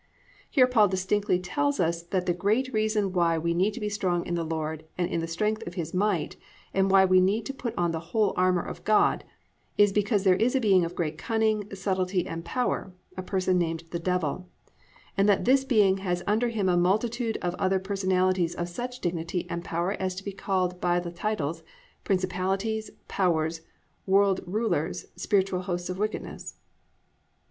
"+ Here Paul distinctly tells us that the great reason why we need to be strong in the Lord and in the strength of His might and why we need to put on the whole armour of God, is because there is a being of great cunning, subtlety and power, a person named "The Devil," and that this being has under him a multitude of other personalities of such dignity and power as to be called by the titles: "principalities," "powers," "world rulers," "spiritual hosts of wickedness."